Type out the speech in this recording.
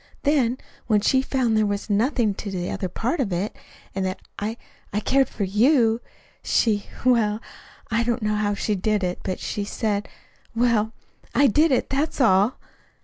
Then, when she found there was nothing to the other part of it, and that I I cared for you, she well, I don't know how she did it, but she said well, I did it. That's all."